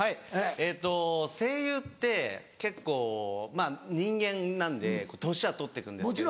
えっと声優って結構人間なんで年は取って行くんですけど。